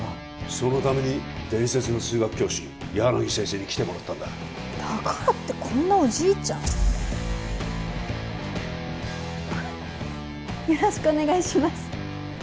そのために伝説の数学教師柳先生に来てもらったんだだからってこんなおじいちゃんよろしくお願いします